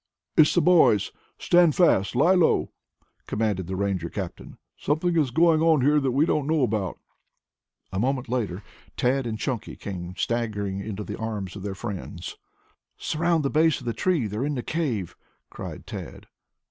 "It's the boys! Stand fast. Lie low!" commanded the Ranger captain. "Something is going on here that we don't know about." A moment later Tad and Chunky came staggering into the arms of their friends. "Surround the base of the tree. They're in the cave," cried Tad.